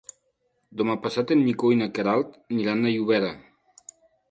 Demà passat en Nico i na Queralt aniran a Llobera.